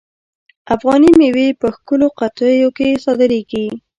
افغاني میوې په ښکلو قطیو کې صادریږي.